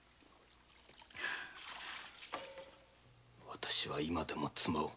私は今でも妻を。